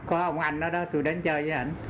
có ông anh đó tôi đến chơi với anh